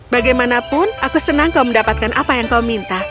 bagaimanapun aku senang kau mendapatkan apa yang kau minta